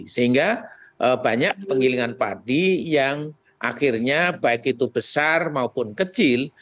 sehingga banyak penggilingan padi yang akhirnya baik itu besar maupun kecil